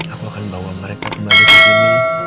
aku akan bawa mereka kembali ke sini